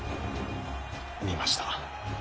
見ました。